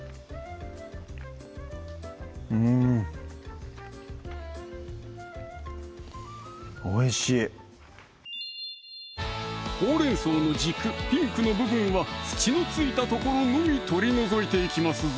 うんおいしいほうれん草の軸ピンクの部分は土の付いた所のみ取り除いていきますぞ